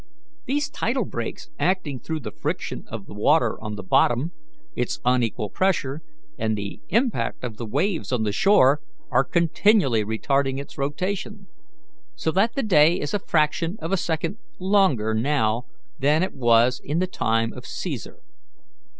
These tidal brakes acting through the friction of the water on the bottom, its unequal pressure, and the impact of the waves on the shore, are continually retarding its rotation, so that the day is a fraction of a second longer now than it was in the time of Caesar.